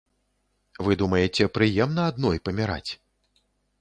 Вы думаеце, прыемна адной паміраць?